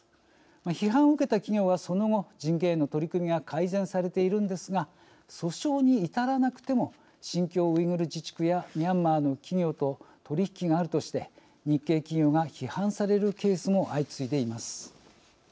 批判を受けた企業はその後、人権への取り組みが改善されているんですが訴訟に至らなくても新疆ウイグル自治区やミャンマーの企業と取引があるとして日系企業が批判されるケースも相次いでいます。